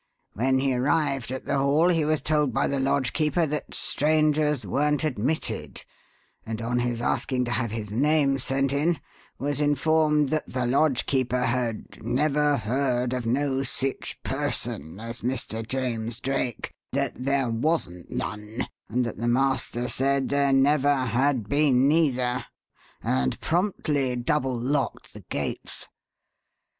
When he arrived at the Hall he was told by the lodgekeeper that strangers weren't admitted, and, on his asking to have his name sent in, was informed that the lodgekeeper had 'never heard of no sich person as Mr. James Drake that there wasn't none, and that the master said there never had been, neither' and promptly double locked the gates.